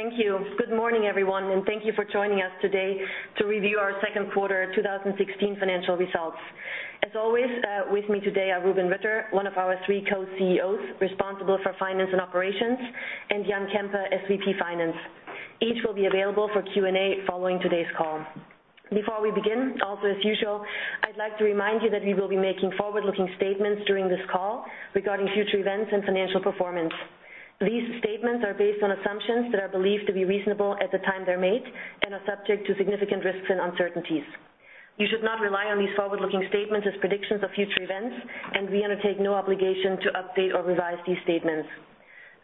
Thank you. Good morning, everyone, and thank you for joining us today to review our second quarter 2016 financial results. As always, with me today are Rubin Ritter, one of our three Co-CEOs responsible for finance and operations, and Jan Kemper, SVP Finance. Each will be available for Q&A following today's call. Before we begin, also as usual, I'd like to remind you that we will be making forward-looking statements during this call regarding future events and financial performance. These statements are based on assumptions that are believed to be reasonable at the time they're made and are subject to significant risks and uncertainties. You should not rely on these forward-looking statements as predictions of future events, and we undertake no obligation to update or revise these statements.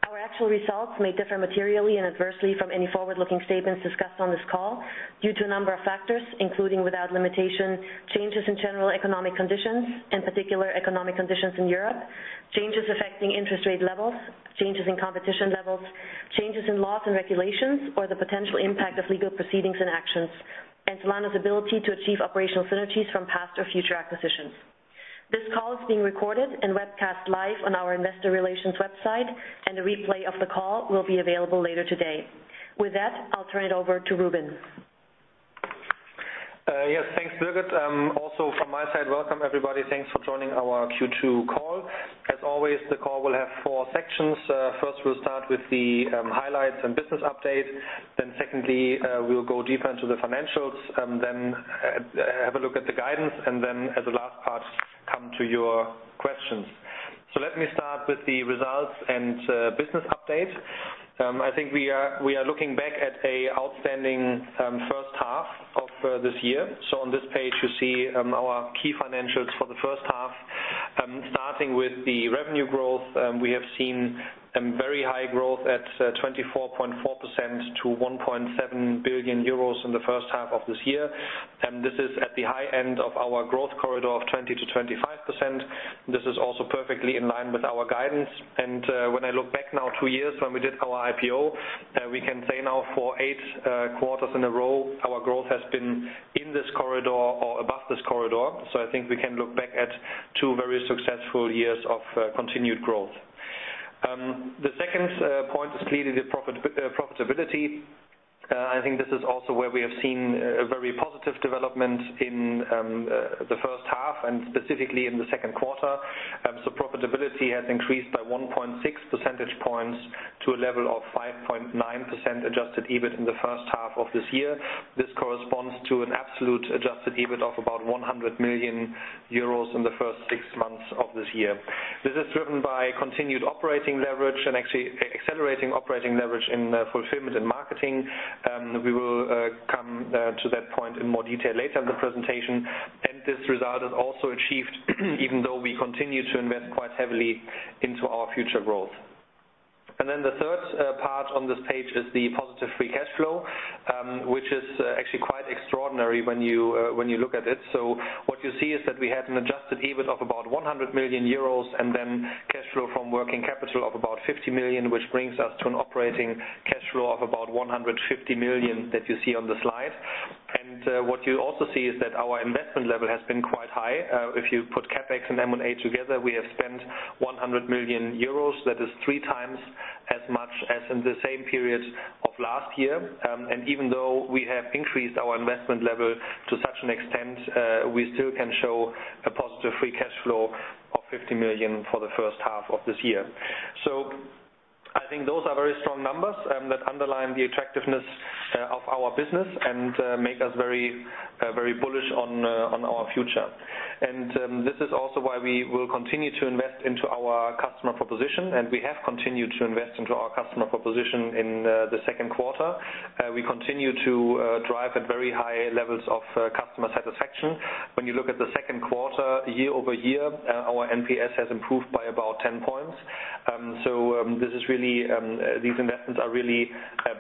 Our actual results may differ materially and adversely from any forward-looking statements discussed on this call due to a number of factors, including, without limitation, changes in general economic conditions, and particular economic conditions in Europe, changes affecting interest rate levels, changes in competition levels, changes in laws and regulations, or the potential impact of legal proceedings and actions, and Zalando's ability to achieve operational synergies from past or future acquisitions. This call is being recorded and webcast live on our investor relations website, and a replay of the call will be available later today. With that, I'll turn it over to Rubin. Yes, thanks, Birgit. Also from my side, welcome everybody. Thanks for joining our Q2 call. As always, the call will have four sections. First, we'll start with the highlights and business update. Secondly, we'll go deeper into the financials, have a look at the guidance, and as the last part, come to your questions. Let me start with the results and business update. I think we are looking back at a outstanding first half of this year. On this page, you see our key financials for the first half. Starting with the revenue growth, we have seen very high growth at 24.4% to 1.7 billion euros in the first half of this year. This is at the high end of our growth corridor of 20%-25%. This is also perfectly in line with our guidance. When I look back now two years when we did our IPO, we can say now for eight quarters in a row, our growth has been in this corridor or above this corridor. I think we can look back at two very successful years of continued growth. The second point is clearly the profitability. I think this is also where we have seen a very positive development in the first half and specifically in the second quarter. Profitability has increased by 1.6 percentage points to a level of 5.9% adjusted EBIT in the first half of this year. This corresponds to an absolute adjusted EBIT of about 100 million euros in the first six months of this year. This is driven by continued operating leverage and actually accelerating operating leverage in fulfillment and marketing. We will come to that point in more detail later in the presentation. This result is also achieved even though we continue to invest quite heavily into our future growth. The third part on this page is the positive free cash flow, which is actually quite extraordinary when you look at it. What you see is that we had an adjusted EBIT of about 100 million euros and then cash flow from working capital of about 50 million, which brings us to an operating cash flow of about 150 million that you see on the slide. What you also see is that our investment level has been quite high. If you put CapEx and M&A together, we have spent 100 million euros. That is three times as much as in the same period of last year. Even though we have increased our investment level to such an extent, we still can show a positive free cash flow of 50 million for the first half of this year. I think those are very strong numbers that underline the attractiveness of our business and make us very bullish on our future. This is also why we will continue to invest into our customer proposition, we have continued to invest into our customer proposition in the second quarter. We continue to drive at very high levels of customer satisfaction. When you look at the second quarter year-over-year, our NPS has improved by about 10 points. These investments are really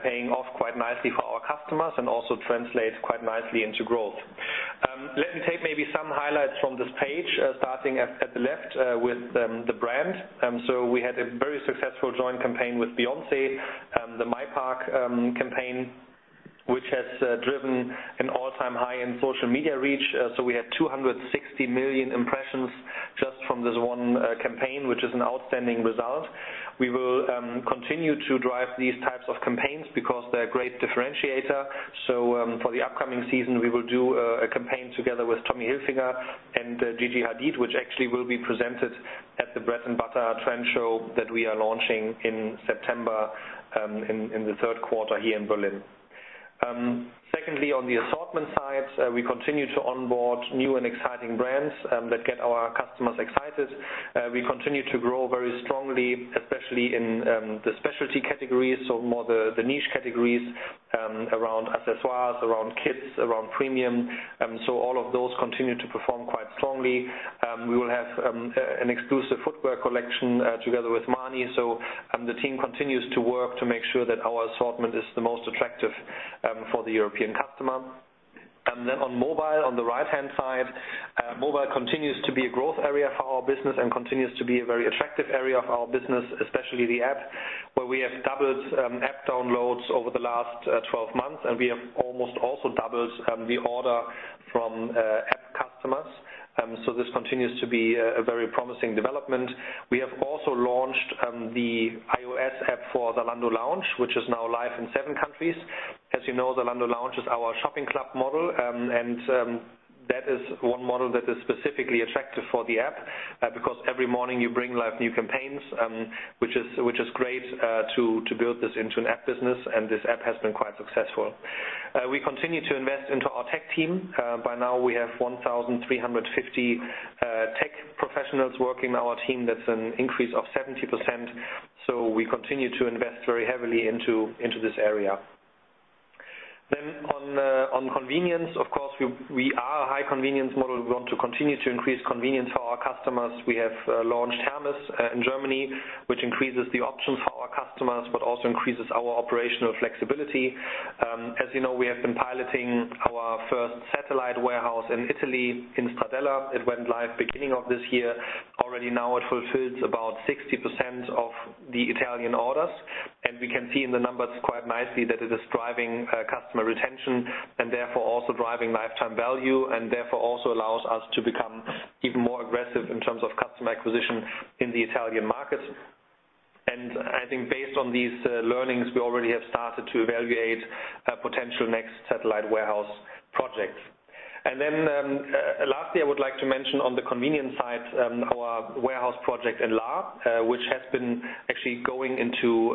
paying off quite nicely for our customers and also translates quite nicely into growth. Let me take maybe some highlights from this page, starting at the left with the brand. We had a very successful joint campaign with Beyoncé, the Ivy Park campaign, which has driven an all-time high in social media reach. We had 260 million impressions just from this one campaign, which is an outstanding result. We will continue to drive these types of campaigns because they're a great differentiator. For the upcoming season, we will do a campaign together with Tommy Hilfiger and Gigi Hadid, which actually will be presented at the Bread & Butter trend show that we are launching in September, in the third quarter here in Berlin. Secondly, on the assortment side, we continue to onboard new and exciting brands that get our customers excited. We continue to grow very strongly, especially in the specialty categories, more the niche categories around accessories, around kids, around premium. All of those continue to perform quite strongly. We will have an exclusive footwear collection together with Marni. The team continues to work to make sure that our assortment is the most attractive for the European customer. On mobile, on the right-hand side, mobile continues to be a growth area for our business and continues to be a very attractive area of our business, especially the app, where we have doubled app downloads over the last 12 months, and we have almost also doubled the order from app customers. This continues to be a very promising development. We have also launched the iOS app for Zalando Lounge, which is now live in seven countries. As you know, Zalando Lounge is our shopping club model. That is one model that is specifically attractive for the app, because every morning you bring live new campaigns, which is great to build this into an app business, and this app has been quite successful. We continue to invest into our tech team. By now, we have 1,350 tech professionals working in our team. That is an increase of 70%. We continue to invest very heavily into this area. On convenience, of course, we are a high-convenience model. We want to continue to increase convenience for our customers. We have launched Hermes in Germany, which increases the options for our customers, but also increases our operational flexibility. As you know, we have been piloting our first satellite warehouse in Italy, in Stradella. It went live beginning of this year. Already now it fulfills about 60% of the Italian orders. We can see in the numbers quite nicely that it is driving customer retention and therefore also driving lifetime value and therefore also allows us to become even more aggressive in terms of customer acquisition in the Italian market. I think based on these learnings, we already have started to evaluate potential next satellite warehouse projects. Lastly, I would like to mention on the convenience side, our warehouse project in Lahr which has been actually going into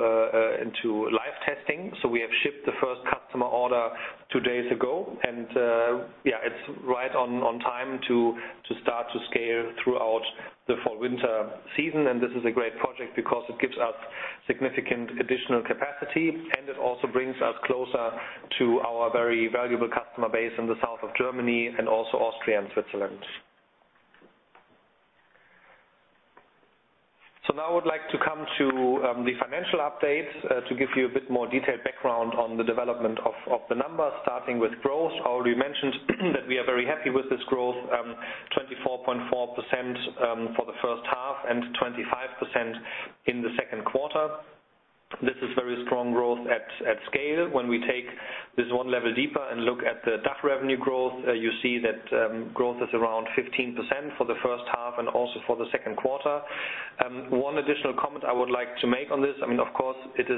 live testing. We have shipped the first customer order two days ago. It's right on time to start to scale throughout the fall-winter season. This is a great project because it gives us significant additional capacity, and it also brings us closer to our very valuable customer base in the south of Germany and also Austria and Switzerland. Now I would like to come to the financial update to give you a bit more detailed background on the development of the numbers. Starting with growth, I already mentioned that we are very happy with this growth, 24.4% for the first half and 25% in the second quarter. This is very strong growth at scale. When we take this 1 level deeper and look at the DACH revenue growth, you see that growth is around 15% for the first half and also for the second quarter. One additional comment I would like to make on this, of course, it's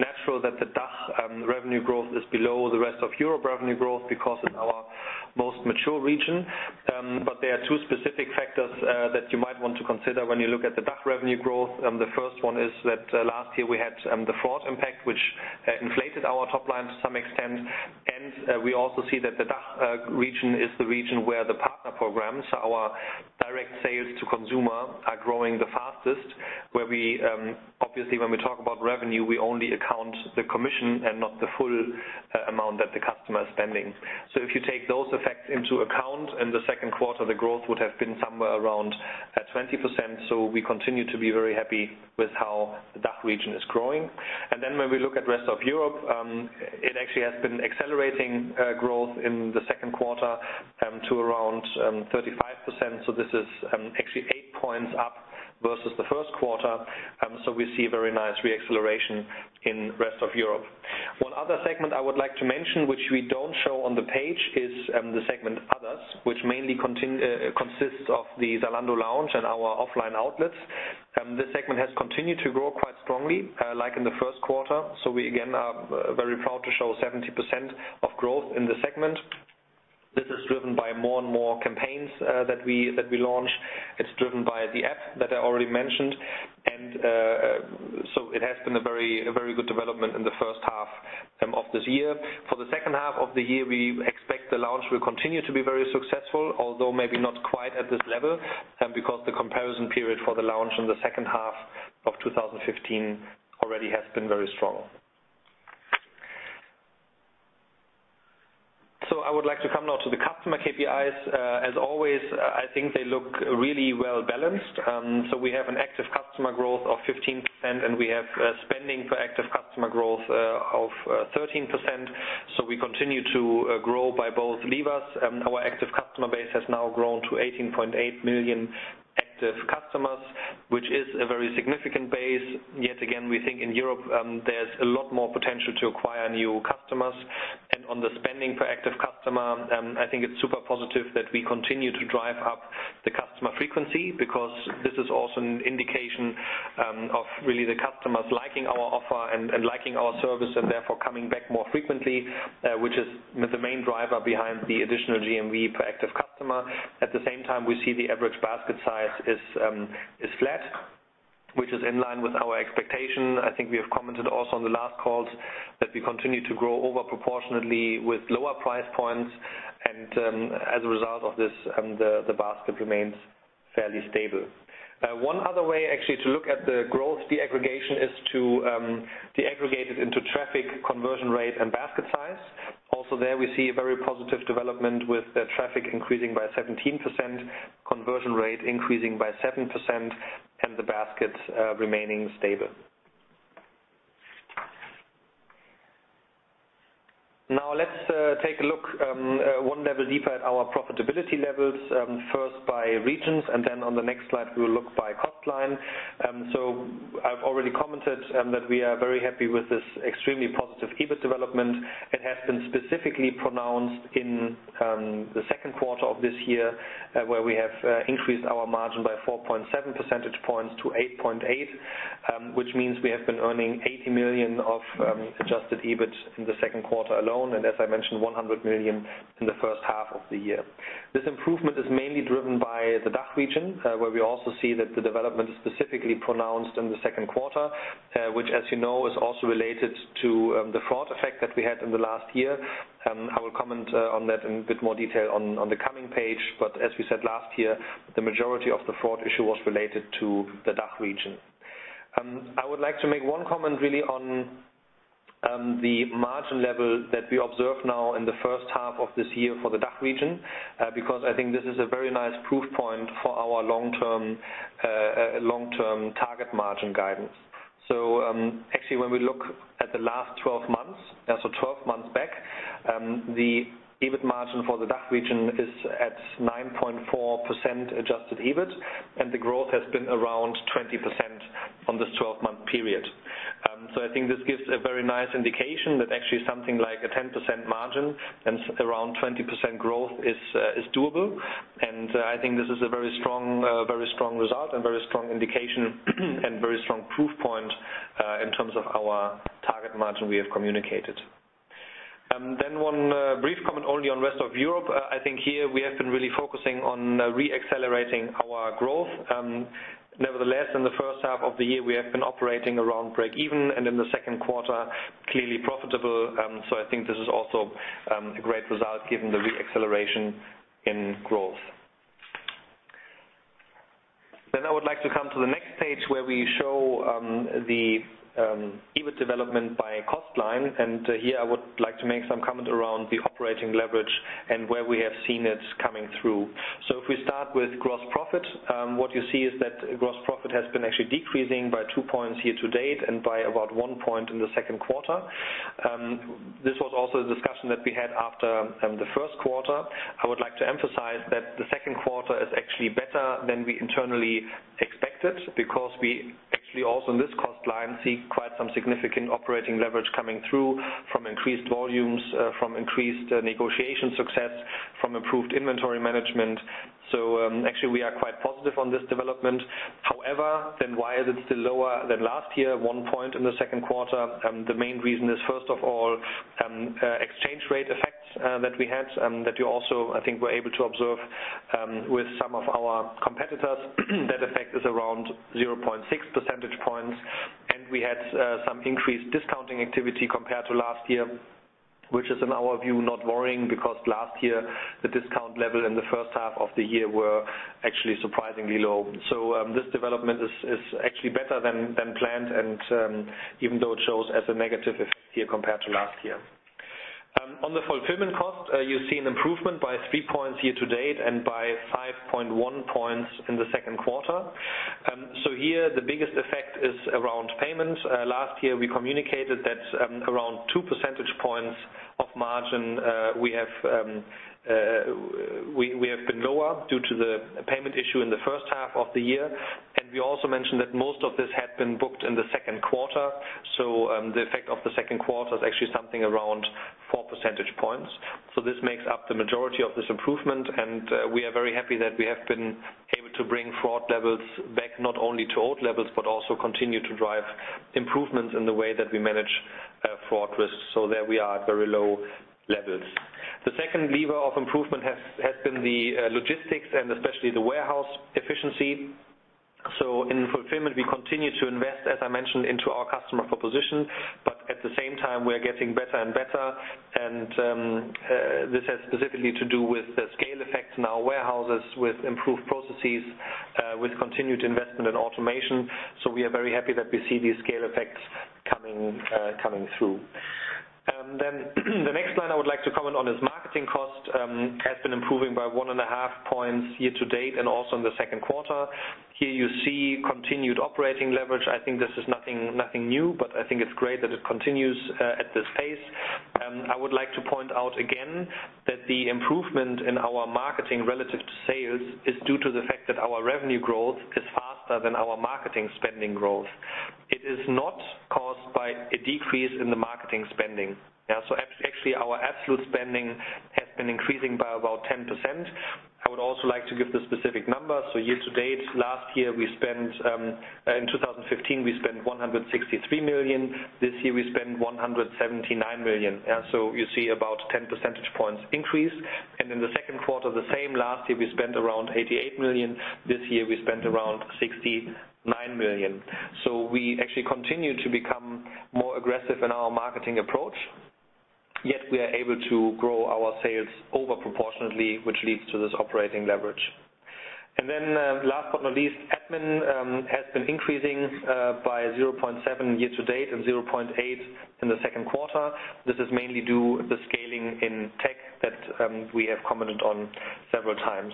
natural that the DACH revenue growth is below the rest of Europe revenue growth because it's our most mature region. There are two specific factors that you might want to consider when you look at the DACH revenue growth. The first one is that last year we had the fraud impact, which inflated our top line to some extent. We also see that the DACH region is the region where the partner programs, our direct sales to consumer, are growing the fastest, where obviously when we talk about revenue, we only account the commission and not the full amount that the customer is spending. If you take those effects into account in the second quarter, the growth would have been somewhere around 20%. We continue to be very happy with how the DACH region is growing. When we look at rest of Europe, it actually has been accelerating growth in the second quarter to around 35%. This is actually eight points up versus the first quarter. We see a very nice re-acceleration in rest of Europe. One other segment I would like to mention, which we don't show on the page, is the segment others, which mainly consists of the Zalando Lounge and our offline outlets. This segment has continued to grow quite strongly, like in the first quarter. We again are very proud to show 70% of growth in the segment. This is driven by more and more campaigns that we launch. It's driven by the app that I already mentioned. It has been a very good development in the first half of this year. For the second half of the year, we expect the lounge will continue to be very successful, although maybe not quite at this level, because the comparison period for the lounge in the second half of 2015 already has been very strong. I would like to come now to the customer KPIs. As always, I think they look really well-balanced. We have an active customer growth of 15%, and we have spending per active customer growth of 13%. We continue to grow by both levers. Our active customer base has now grown to 18.8 million active customers, which is a very significant base. Yet again, we think in Europe, there's a lot more potential to acquire new customers. On the spending per active customer, I think it's super positive that we continue to drive up the customer frequency because this is also an indication of really the customers liking our offer and liking our service and therefore coming back more frequently, which is the main driver behind the additional GMV per active customer. At the same time, we see the average basket size is flat, which is in line with our expectation. I think we have commented also on the last calls that we continue to grow over proportionately with lower price points. As a result of this, the basket remains fairly stable. One other way actually to look at the growth deaggregation is to deaggregate it into traffic conversion rate and basket size. Also there we see a very positive development with the traffic increasing by 17%, conversion rate increasing by 7% and the basket remaining stable. Now let's take a look one level deeper at our profitability levels, first by regions, and then on the next slide, we will look by cost line. I've already commented that we are very happy with this extremely positive EBIT development. It has been specifically pronounced in the second quarter of this year, where we have increased our margin by 4.7 percentage points to 8.8, which means we have been earning 80 million of adjusted EBIT in the second quarter alone. As I mentioned, 100 million in the first half of the year. This improvement is mainly driven by the DACH region, where we also see that the development is specifically pronounced in the second quarter, which, as you know, is also related to the fraud effect that we had in the last year. I will comment on that in a bit more detail on the coming page. As we said last year, the majority of the fraud issue was related to the DACH region. I would like to make one comment really on the margin level that we observe now in the first half of this year for the DACH region, because I think this is a very nice proof point for our long-term target margin guidance. Actually, when we look at the last 12 months, 12 months back, the EBIT margin for the DACH region is at 9.4% adjusted EBIT, and the growth has been around 20% on this 12-month period. I think this gives a very nice indication that actually something like a 10% margin and around 20% growth is doable. I think this is a very strong result and very strong indication and very strong proof point in terms of our target margin we have communicated. One brief comment only on rest of Europe. I think here we have been really focusing on re-accelerating our growth. Nevertheless, in the first half of the year, we have been operating around break even and in the second quarter, clearly profitable. I think this is also a great result given the re-acceleration in growth. I would like to come to the next page where we show the EBIT development by cost line. Here I would like to make some comment around the operating leverage and where we have seen it coming through. If we start with gross profit, what you see is that gross profit has been actually decreasing by two points here to date and by about one point in the second quarter. This was also a discussion that we had after the first quarter. I would like to emphasize that the second quarter is actually better than we internally expected because we actually also in this cost line see quite some significant operating leverage coming through from increased volumes, from increased negotiation success, from improved inventory management. Actually, we are quite positive on this development. Why is it still lower than last year at one point in the second quarter? The main reason is, first of all, exchange rate effects that we had that you also, I think, were able to observe with some of our competitors. That effect is around 0.6 percentage points. We had some increased discounting activity compared to last year, which is in our view, not worrying, because last year the discount level in the first half of the year were actually surprisingly low. This development is actually better than planned and even though it shows as a negative effect here compared to last year. On the fulfillment cost, you see an improvement by three points here to date and by 5.1 points in the second quarter. Here the biggest effect is around payment. Last year, we communicated that around two percentage points of margin we have been lower due to the payment issue in the first half of the year. We also mentioned that most of this had been booked in the second quarter. The effect of the second quarter is actually something around four percentage points. This makes up the majority of this improvement, we are very happy that we have been able to bring fraud levels back not only to old levels, but also continue to drive improvements in the way that we manage fraud risks that we are at very low levels. The second lever of improvement has been the logistics and especially the warehouse efficiency. In fulfillment, we continue to invest, as I mentioned, into our customer proposition, but at the same time, we are getting better and better. This has specifically to do with the scale effects in our warehouses with improved processes, with continued investment in automation. We are very happy that we see these scale effects coming through. The next line I would like to comment on is marketing cost has been improving by 1.5 points year to date and also in the second quarter. Here you see continued operating leverage. I think this is nothing new, but I think it's great that it continues at this pace. I would like to point out again that the improvement in our marketing relative to sales is due to the fact that our revenue growth is faster than our marketing spending growth. It is not caused by a decrease in the marketing spending. Actually, our absolute spending has been increasing by about 10%. I would also like to give the specific numbers. Year to date, last year we spent, in 2015, we spent 163 million. This year we spent 179 million. You see about 10 percentage points increase. In the second quarter, the same. Last year, we spent around 88 million. This year we spent around 69 million. We actually continue to become more aggressive in our marketing approach, yet we are able to grow our sales over proportionately, which leads to this operating leverage. Last but not least, admin has been increasing by 0.7 year to date and 0.8 in the second quarter. This is mainly due the scaling in tech that we have commented on several times.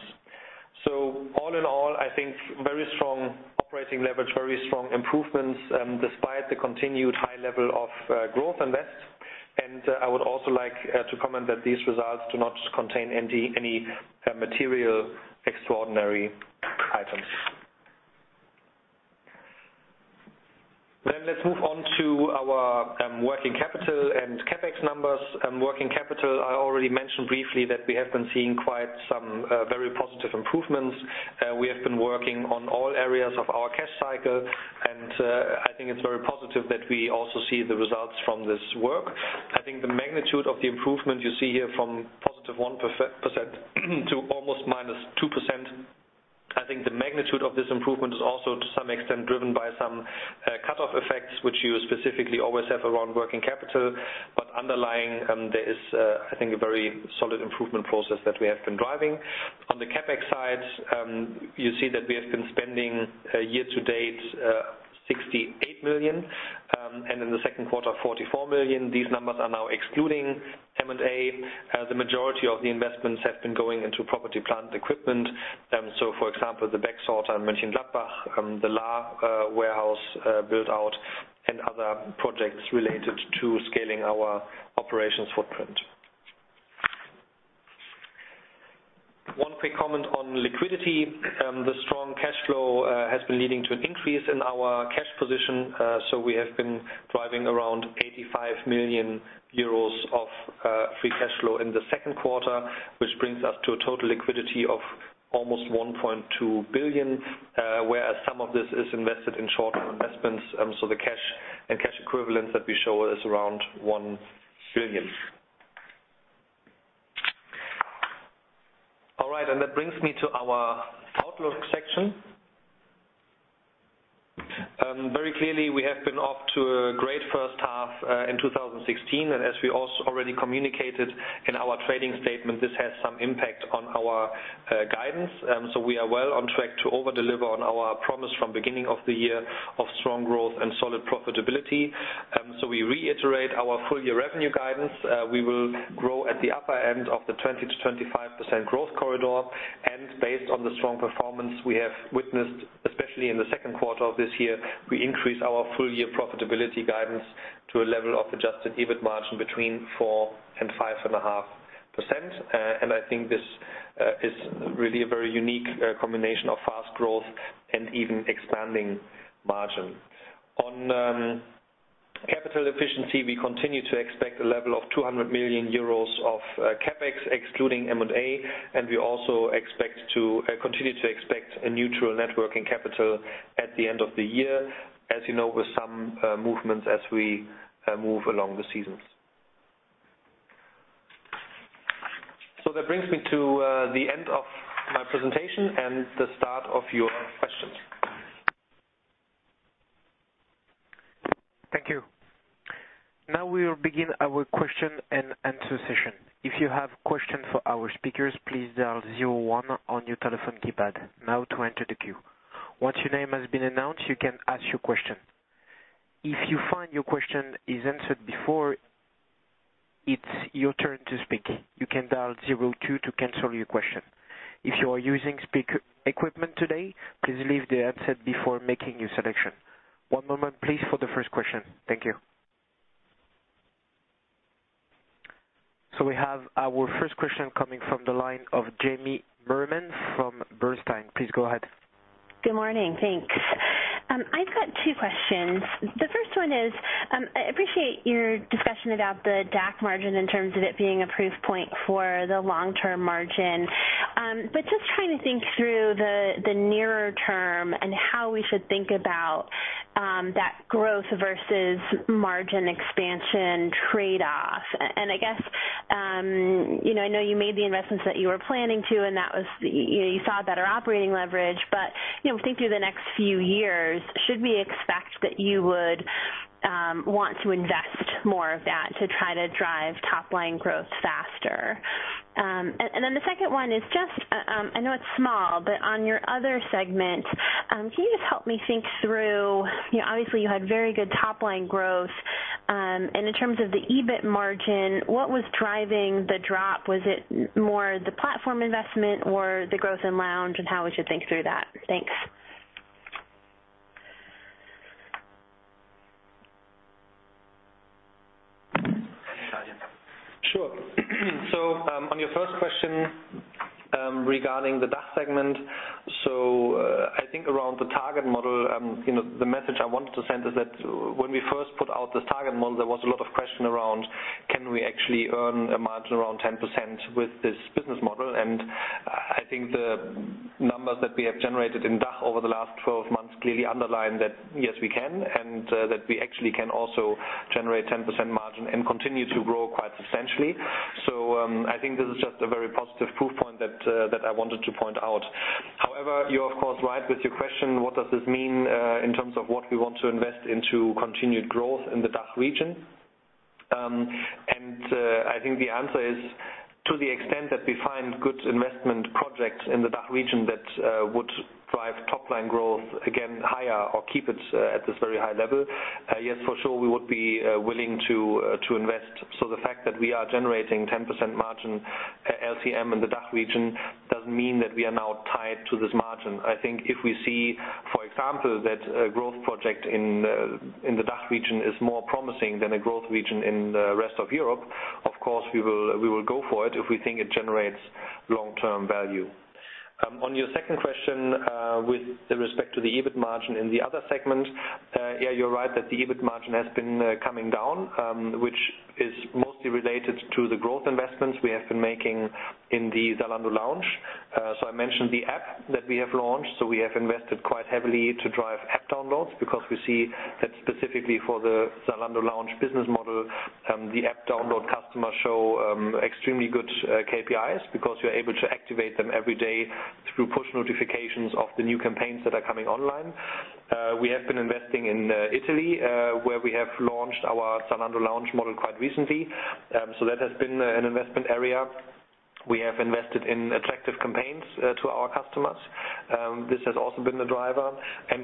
All in all, I think very strong operating leverage, very strong improvements, despite the continued high level of growth invest. I would also like to comment that these results do not contain any material, extraordinary items. Let's move on to our working capital and CapEx numbers. Working capital, I already mentioned briefly that we have been seeing quite some very positive improvements. We have been working on all areas of our cash cycle, I think it's very positive that we also see the results from this work. I think the magnitude of the improvement you see here from positive 1% to almost -2%. I think the magnitude of this improvement is also, to some extent, driven by some cutoff effects, which you specifically always have around working capital. Underlying, there is a very solid improvement process that we have been driving. On the CapEx side, you see that we have been spending year-to-date, 68 million, and in the second quarter, 44 million. These numbers are now excluding M&A. The majority of the investments have been going into property, plant equipment. For example, the backsort on Mönchengladbach, the Lahr warehouse build-out, and other projects related to scaling our operations footprint. One quick comment on liquidity. The strong cash flow has been leading to an increase in our cash position. We have been driving around 85 million euros of free cash flow in the second quarter, which brings us to a total liquidity of almost 1.2 billion, whereas some of this is invested in short investments. The cash and cash equivalents that we show is around 1 billion. That brings me to our outlook section. Very clearly, we have been off to a great first half in 2016. As we already communicated in our trading statement, this has some impact on our guidance. We are well on track to over-deliver on our promise from the beginning of the year of strong growth and solid profitability. We reiterate our full-year revenue guidance. We will grow at the upper end of the 20%-25% growth corridor, based on the strong performance we have witnessed, especially in the second quarter of this year, we increase our full-year profitability guidance to a level of adjusted EBIT margin between 4% and 5.5%. I think this is really a very unique combination of fast growth and even expanding margin. On capital efficiency, we continue to expect a level of 200 million euros of CapEx, excluding M&A, and we also continue to expect a neutral net working capital at the end of the year, as you know, with some movements as we move along the seasons. That brings me to the end of my presentation and the start of your questions. Thank you. Now we will begin our question and answer session. If you have questions for our speakers, please dial 01 on your telephone keypad now to enter the queue. Once your name has been announced, you can ask your question. If you find your question is answered before it's your turn to speak, you can dial 02 to cancel your question. If you are using speaker equipment today, please leave the headset before making your selection. One moment please for the first question. Thank you. We have our first question coming from the line of Jamie Merriman from Bernstein. Please go ahead. Good morning. Thanks. I've got two questions. The first one is, I appreciate your discussion about the DACH margin in terms of it being a proof point for the long-term margin. Just trying to think through the nearer term and how we should think about that growth versus margin expansion trade-off. I guess, I know you made the investments that you were planning to, and you saw a better operating leverage, but thinking through the next few years, should we expect that you would want to invest more of that to try to drive top-line growth faster? Then the second one is just, I know it's small, but on your other segment, can you just help me think through, obviously you had very good top-line growth. In terms of the EBIT margin, what was driving the drop? Was it more the platform investment or the growth in Zalando Lounge, and how we should think through that? Thanks. Sure. On your first question regarding the DACH segment. I think around the target model, the message I wanted to send is that when we first put out this target model, there was a lot of question around, can we actually earn a margin around 10% with this business model? I think the numbers that we have generated in DACH over the last 12 months clearly underline that, yes, we can, and that we actually can also generate 10% margin and continue to grow quite substantially. I think this is just a very positive proof point that I wanted to point out. However, you're of course, right with your question, what does this mean in terms of what we want to invest into continued growth in the DACH region? I think the answer is, to the extent that we find good investment projects in the DACH region that would top-line growth, again, higher or keep it at this very high level. Yes, for sure, we would be willing to invest. The fact that we are generating 10% margin LTM in the DACH region doesn't mean that we are now tied to this margin. I think if we see, for example, that a growth project in the DACH region is more promising than a growth region in the rest of Europe, of course, we will go for it if we think it generates long-term value. On your second question, with respect to the EBIT margin in the other segment, you're right that the EBIT margin has been coming down, which is mostly related to the growth investments we have been making in the Zalando Lounge. I mentioned the app that we have launched. We have invested quite heavily to drive app downloads because we see that specifically for the Zalando Lounge business model, the app download customers show extremely good KPIs because we are able to activate them every day through push notifications of the new campaigns that are coming online. We have been investing in Italy, where we have launched our Zalando Lounge model quite recently. That has been an investment area. We have invested in attractive campaigns to our customers. This has also been the driver.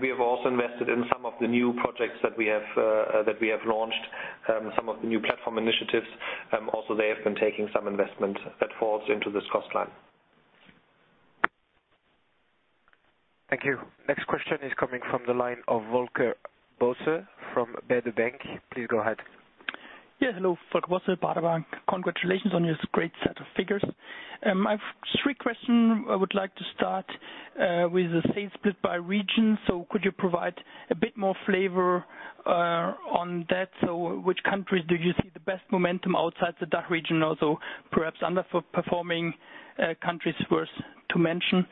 We have also invested in some of the new projects that we have launched, some of the new platform initiatives. Also, they have been taking some investment that falls into this cost line. Thank you. Next question is coming from the line of Volker Bosse from Baader Bank. Please go ahead. Hello, Volker Bosse, Baader Bank. Congratulations on your great set of figures. I have three questions. I would like to start with the sales split by region. Could you provide a bit more flavor on that? Which countries do you see the best momentum outside the DACH region, also perhaps underperforming countries worth to mention?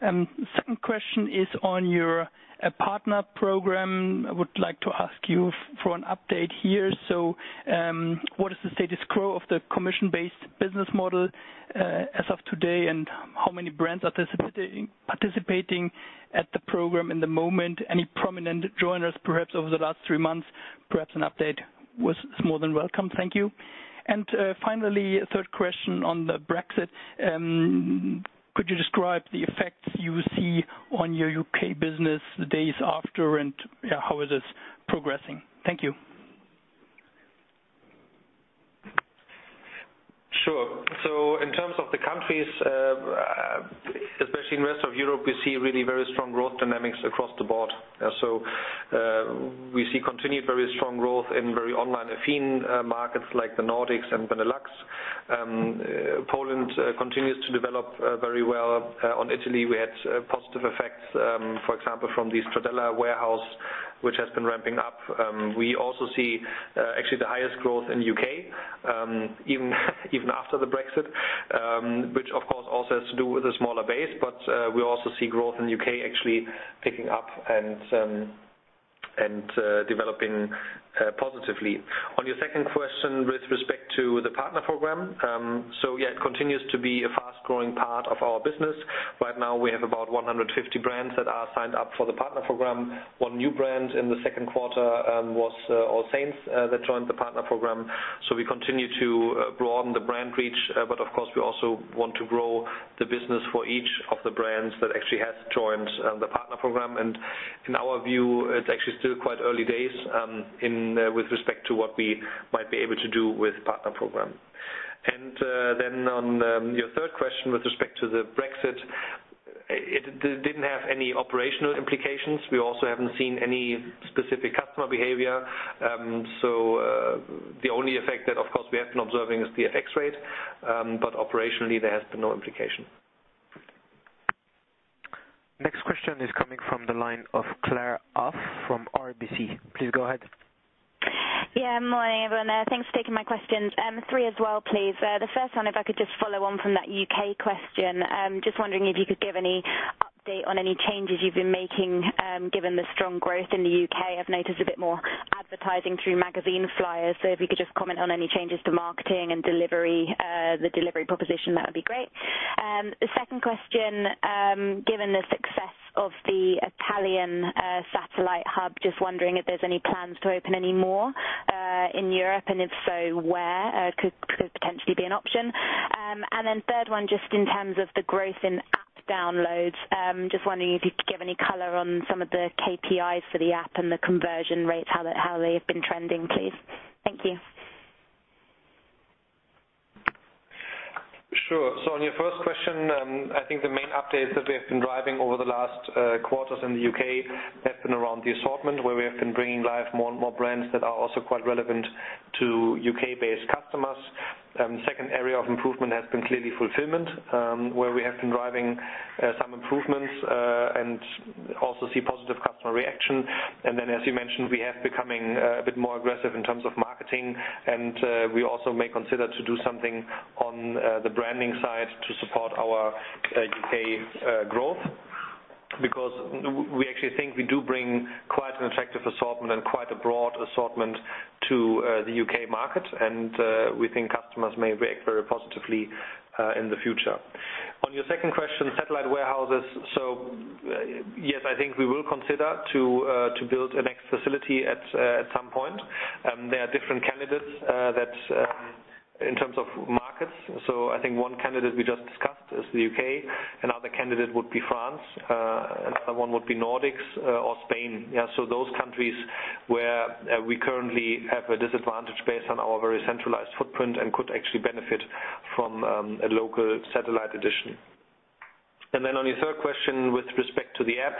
Second question is on your partner program. I would like to ask you for an update here. What is the status quo of the commission-based business model as of today, and how many brands are participating at the program at the moment? Any prominent joiners perhaps over the last three months? Perhaps an update is more than welcome. Thank you. Finally, third question on the Brexit. Could you describe the effects you see on your U.K. business days after, and how is this progressing? Thank you. Sure. In terms of the countries, especially in the rest of Europe, we see really very strong growth dynamics across the board. We see continued very strong growth in very online-affined markets like the Nordics and Benelux. Poland continues to develop very well. On Italy, we had positive effects, for example, from the Stradella warehouse, which has been ramping up. We also see actually the highest growth in the U.K., even after the Brexit, which of course also has to do with a smaller base, but we also see growth in the U.K. actually picking up and developing positively. On your second question with respect to the partner program. Yeah, it continues to be a fast-growing part of our business. Right now, we have about 150 brands that are signed up for the partner program. One new brand in the second quarter was AllSaints that joined the partner program. We continue to broaden the brand reach. Of course, we also want to grow the business for each of the brands that actually has joined the partner program. In our view, it's actually still quite early days with respect to what we might be able to do with partner program. Then on your third question with respect to the Brexit, it didn't have any operational implications. We also haven't seen any specific customer behavior. The only effect that of course we have been observing is the FX rate. Operationally, there has been no implication. Next question is coming from the line of Claire Auf from RBC. Please go ahead. Yeah, morning, everyone. Thanks for taking my questions. Three as well, please. First one, if I could just follow on from that U.K. question. Just wondering if you could give any update on any changes you've been making given the strong growth in the U.K. I've noticed a bit more advertising through magazine flyers. If you could just comment on any changes to marketing and the delivery proposition, that would be great. Second question, given the success of the Italian satellite hub, just wondering if there's any plans to open any more in Europe, and if so, where could potentially be an option? Third one, just in terms of the growth in app downloads, just wondering if you could give any color on some of the KPIs for the app and the conversion rates, how they have been trending, please. Thank you. Sure. On your first question, I think the main updates that we have been driving over the last quarters in the U.K. have been around the assortment, where we have been bringing live more and more brands that are also quite relevant to U.K.-based customers. Second area of improvement has been clearly fulfillment, where we have been driving some improvements and also see positive customer reaction. As you mentioned, we have becoming a bit more aggressive in terms of marketing, and we also may consider to do something on the branding side to support our U.K. growth because we actually think we do bring quite an attractive assortment and quite a broad assortment to the U.K. market, and we think customers may react very positively in the future. On your second question, satellite warehouses. Yes, I think we will consider to build a next facility at some point. There are different candidates In terms of markets. I think one candidate we just discussed is the U.K. Another candidate would be France. Another one would be Nordics or Spain. Yeah, those countries where we currently have a disadvantage based on our very centralized footprint and could actually benefit from a local satellite edition. On your third question with respect to the app.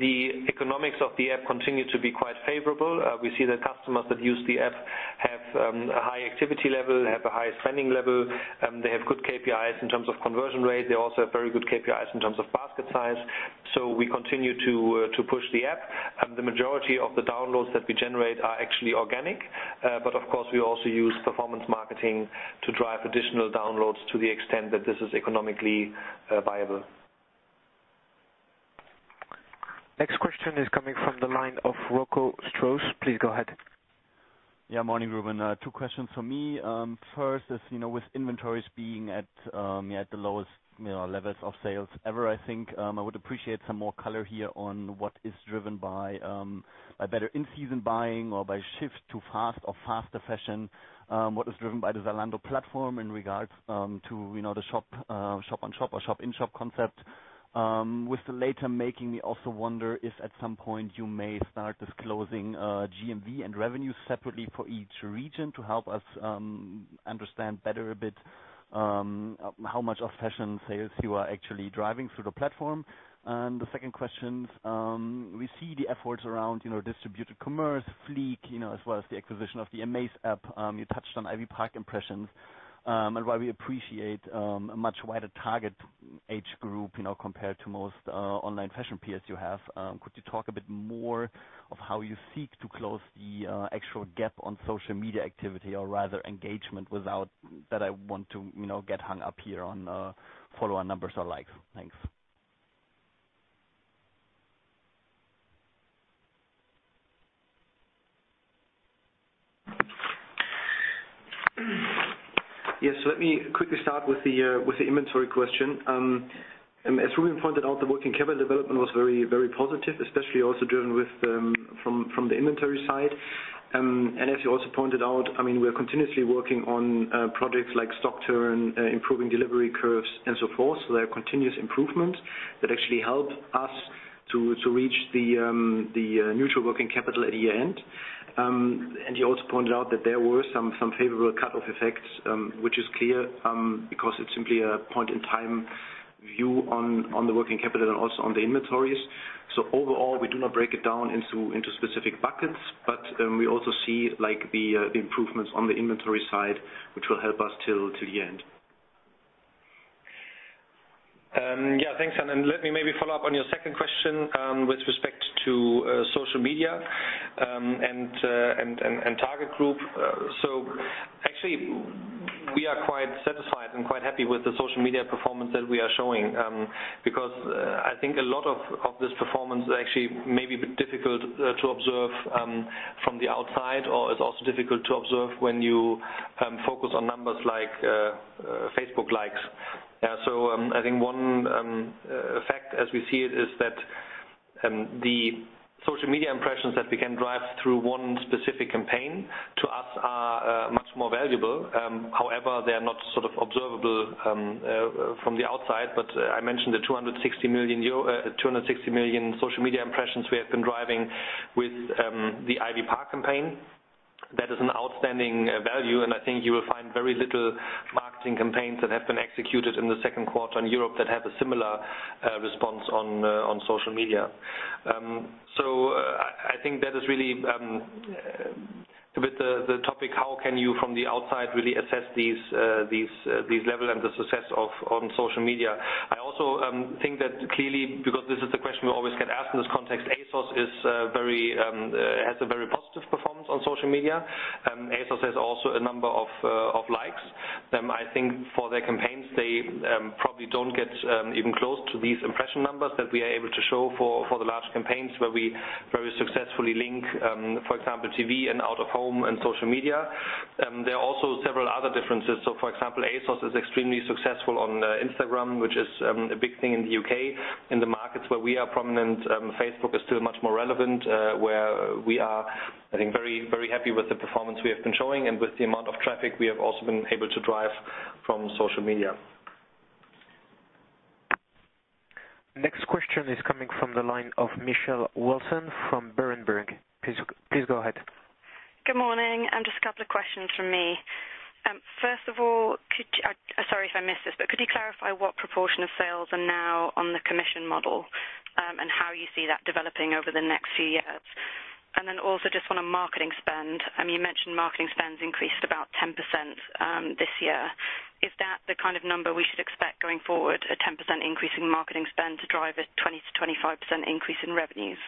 The economics of the app continue to be quite favorable. We see that customers that use the app have a high activity level, have a high spending level, they have good KPIs in terms of conversion rate. They also have very good KPIs in terms of basket size. We continue to push the app. The majority of the downloads that we generate are actually organic. Of course, we also use performance marketing to drive additional downloads to the extent that this is economically viable. Next question is coming from the line of Rocco Stroess. Please go ahead. Morning Rubin. Two questions for me. First is, with inventories being at the lowest levels of sales ever, I think I would appreciate some more color here on what is driven by better in-season buying or by shift to fast or faster fashion. What is driven by the Zalando platform in regards to the shop on shop or shop in-shop concept. With the latter making me also wonder if at some point you may start disclosing GMV and revenue separately for each region to help us understand better a bit how much of fashion sales you are actually driving through the platform. The second question, we see the efforts around distributed commerce, Fleek, as well as the acquisition of the Amaze app. You touched on Ivy Park impressions. While we appreciate a much wider target age group compared to most online fashion peers you have, could you talk a bit more of how you seek to close the actual gap on social media activity or rather engagement without that I want to get hung up here on follower numbers or likes. Thanks. Yes. Let me quickly start with the inventory question. As Rubin pointed out, the working capital development was very positive, especially also driven from the inventory side. As you also pointed out, we are continuously working on projects like stock turn, improving delivery curves and so forth. There are continuous improvements that actually help us to reach the neutral working capital at year-end. You also pointed out that there were some favorable cut-off effects which is clear because it's simply a point-in-time view on the working capital and also on the inventories. Overall, we do not break it down into specific buckets. We also see the improvements on the inventory side, which will help us till the end. Yeah, thanks. Let me maybe follow up on your second question with respect to social media and target group. Actually we are quite satisfied and quite happy with the social media performance that we are showing. I think a lot of this performance actually may be a bit difficult to observe from the outside or is also difficult to observe when you focus on numbers like Facebook likes. I think one effect as we see it is that the social media impressions that we can drive through one specific campaign to us are much more valuable. However, they are not sort of observable from the outside. I mentioned the 260 million social media impressions we have been driving with the Ivy Park campaign. That is an outstanding value, and I think you will find very little marketing campaigns that have been executed in the second quarter in Europe that have a similar response on social media. I think that is really a bit the topic, how can you from the outside really assess these levels and the success on social media? I also think that clearly because this is the question we always get asked in this context, ASOS has a very positive performance on social media. ASOS has also a number of likes. I think for their campaigns, they probably don't get even close to these impression numbers that we are able to show for the large campaigns where we very successfully link for example, TV and out of home and social media. There are also several other differences. For example, ASOS is extremely successful on Instagram, which is a big thing in the U.K. In the markets where we are prominent, Facebook is still much more relevant where we are I think very happy with the performance we have been showing and with the amount of traffic we have also been able to drive from social media. Next question is coming from the line of Michelle Wilson from Berenberg. Please go ahead. Good morning. Just a couple of questions from me. First of all, sorry if I missed this. Could you clarify what proportion of sales are now on the commission model? How you see that developing over the next few years? Also just on a marketing spend. You mentioned marketing spends increased about 10% this year. Is that the kind of number we should expect going forward, a 10% increase in marketing spend to drive a 20%-25% increase in revenues?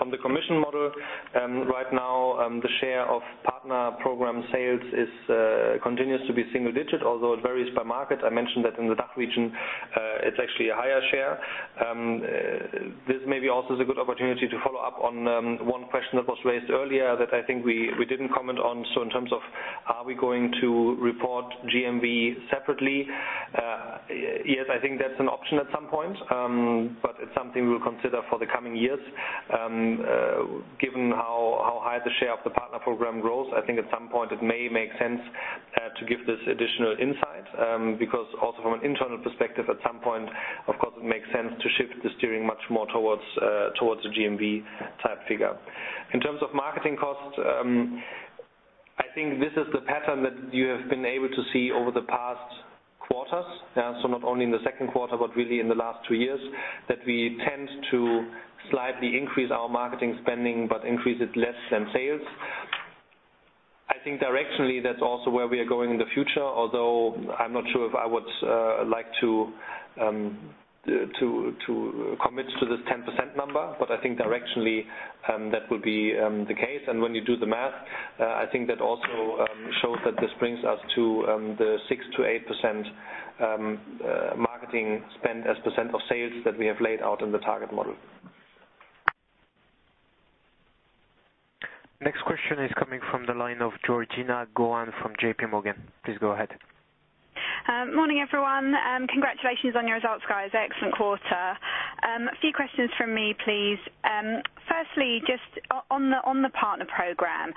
On the commission model right now the share of partner program sales continues to be single digit, although it varies per market. I mentioned that in the DACH region it's actually a higher share. This maybe also is a good opportunity to follow up on one question that was raised earlier that I think we didn't comment on. In terms of are we going to report GMV separately. Yes, I think that's an option at some point. It's something we'll consider for the coming years. Given how high the share of the partner program grows, I think at some point it may make sense to give this additional insight. Also from an internal perspective, at some point, of course, it makes sense to shift the steering much more towards the GMV type figure. In terms of marketing costs, I think this is the pattern that you have been able to see over the past quarters. Not only in the second quarter but really in the last two years, that we tend to slightly increase our marketing spending but increase it less than sales. I think directionally that's also where we are going in the future, although I'm not sure if I would like to commit to this 10% number. I think directionally, that will be the case. When you do the math, I think that also shows that this brings us to the 6%-8% marketing spend as percent of sales that we have laid out in the target model. Next question is coming from the line of Georgina Johanan from J.P. Morgan. Please go ahead. Morning, everyone. Congratulations on your results, guys. Excellent quarter. A few questions from me, please. Firstly, just on the partner program.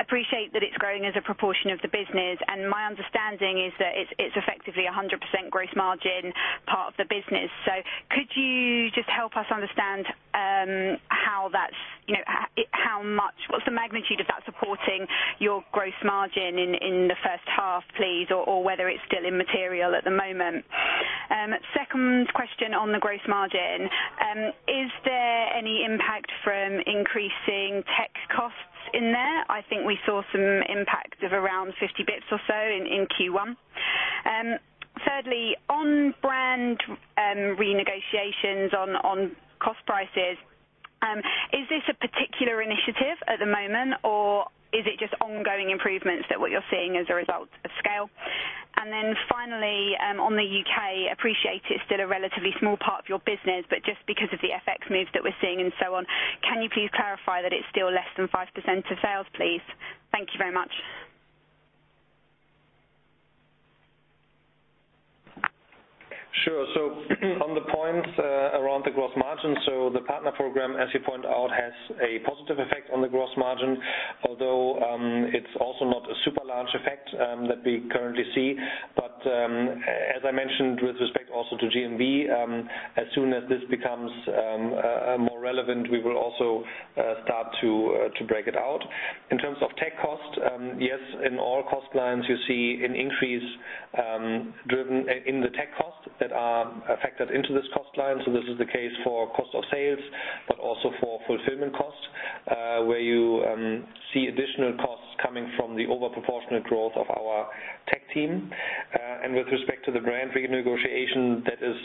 Appreciate that it's growing as a proportion of the business, and my understanding is that it's effectively 100% gross margin part of the business. Could you just help us understand what's the magnitude of that supporting your gross margin in the first half, please, or whether it's still immaterial at the moment? Second question on the gross margin. Is there any impact from increasing tech costs in there? I think we saw some impact of around 50 basis points or so in Q1. Thirdly, on brand renegotiations on cost prices, is this a particular initiative at the moment, or is it just ongoing improvements that what you're seeing as a result of scale? Finally, on the U.K., appreciate it's still a relatively small part of your business, but just because of the FX moves that we're seeing and so on, can you please clarify that it's still less than 5% of sales, please? Thank you very much. Sure. On the point around the gross margin, the partner program, as you point out, has a positive effect on the gross margin, although it's also not a super large effect that we currently see. As I mentioned with respect also to GMV, as soon as this becomes more relevant, we will also start to break it out. In terms of tech cost, yes, in all cost lines you see an increase driven in the tech cost that are factored into this cost line. This is the case for cost of sales, but also for fulfillment costs, where you see additional costs coming from the over proportionate growth of our tech team. With respect to the brand renegotiation, that is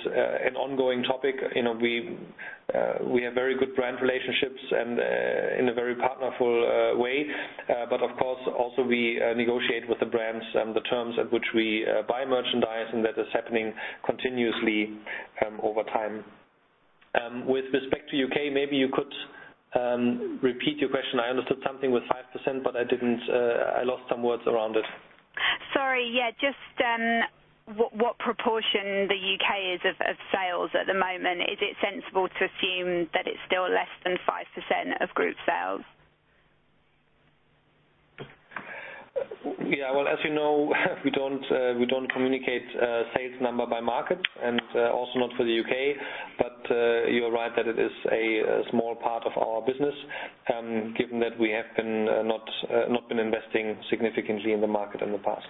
an ongoing topic. We have very good brand relationships and in a very partnerful way. Of course, also we negotiate with the brands and the terms at which we buy merchandise, and that is happening continuously over time. With respect to U.K., maybe you could repeat your question. I understood something with 5%, but I lost some words around it. Sorry. Just what proportion the U.K. is of sales at the moment. Is it sensible to assume that it's still less than 5% of group sales? Well, as you know we don't communicate sales number by market and also not for the U.K. You're right that it is a small part of our business, given that we have not been investing significantly in the market in the past.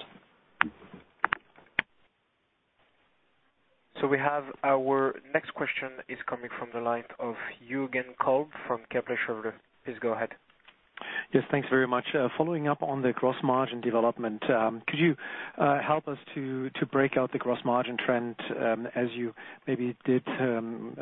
We have our next question is coming from the line of Jürgen Kolb from Kepler Cheuvreux. Please go ahead. Yes, thanks very much. Following up on the gross margin development, could you help us to break out the gross margin trend as you maybe did in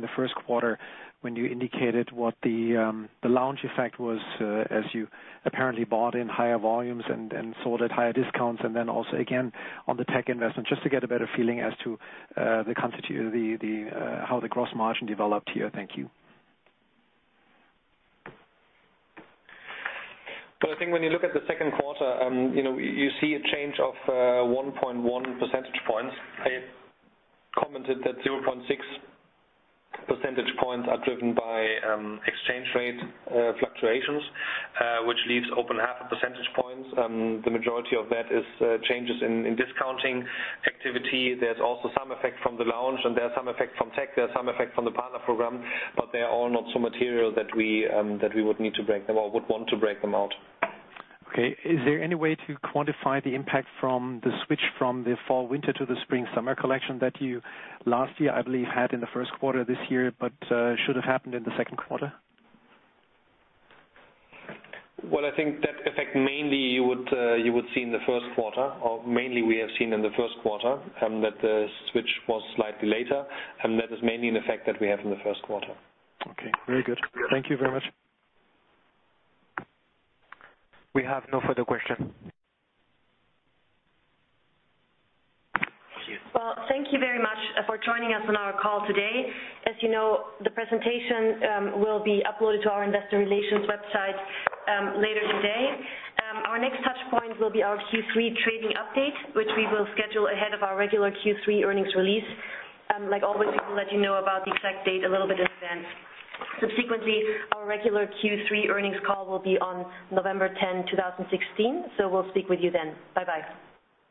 the first quarter when you indicated what the Lounge effect was as you apparently bought in higher volumes and sold at higher discounts and then also again on the tech investment, just to get a better feeling as to how the gross margin developed here. Thank you. I think when you look at the second quarter, you see a change of 1.1 percentage points. I commented that 0.6 percentage points are driven by exchange rate fluctuations, which leaves open half a percentage point. The majority of that is changes in discounting activity. There is also some effect from the Lounge and there are some effect from tech, there are some effect from the partner program, but they are all not so material that we would want to break them out. Okay. Is there any way to quantify the impact from the switch from the fall/winter to the spring/summer collection that you, last year, I believe, had in the first quarter this year, but should have happened in the second quarter? I think that effect mainly you would see in the first quarter, or mainly we have seen in the first quarter, that the switch was slightly later. That is mainly an effect that we have in the first quarter. Okay. Very good. Thank you very much. We have no further question. Thank you. Thank you very much for joining us on our call today. As you know, the presentation will be uploaded to our investor relations website later today. Our next touch point will be our Q3 trading update, which we will schedule ahead of our regular Q3 earnings release. Like always, we will let you know about the exact date a little bit in advance. Subsequently, our regular Q3 earnings call will be on November 10, 2016. We'll speak with you then. Bye-bye